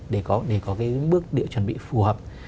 để có những bước địa chuẩn bị phù hợp